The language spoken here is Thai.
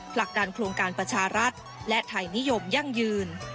หลักการโครงการประชารัฐและไทยนิยมยั่งยืน